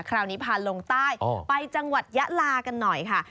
คราวนี้พาลงใต้ไปจังหวัดยะลากันหน่อยค่ะ